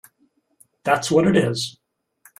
That’s what it is!